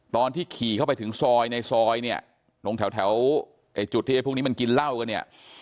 ตอนที่ขี่เข้าไปถึงซอยในซอยเนี่ยตรงแถวจุดที่ไอ้พวกนี้มันกินเหล้ากันเนี่ย